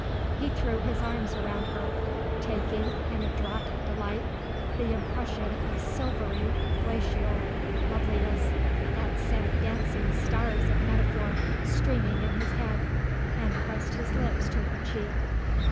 He threw his arms around her, taking, in a draught of delight, the impression of silvery, glacial loveliness that sent dancing stars of metaphor streaming in his head, and pressed his lips to her cheek.